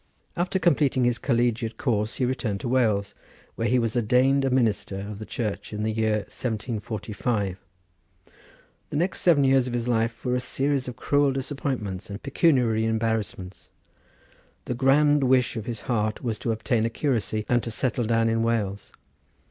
After completing his collegiate course he returned to Wales, where he was ordained a minister of the Church in the year 1745. The next seven years of his life were a series of cruel disappointments and pecuniary embarrassments. The grand wish of his heart was to obtain a curacy and to settle down in Wales.